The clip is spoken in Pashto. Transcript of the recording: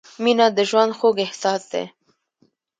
• مینه د ژوند خوږ احساس دی.